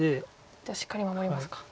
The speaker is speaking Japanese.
じゃあしっかり守りますか。